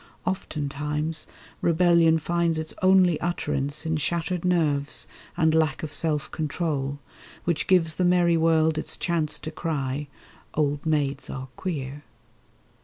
Oftentimes Rebellion finds its only utterance In shattered nerves, and lack of self control; Which gives the merry world its chance to cry 'Old maids are queer.